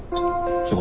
仕事。